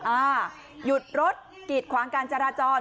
หยุดรถกีดขวางการจราจร